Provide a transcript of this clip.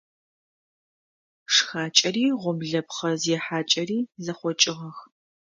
Шхакӏэри гъомлэпхъэ зехьакӏэри зэхъокӏыгъэх.